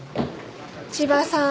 千葉さん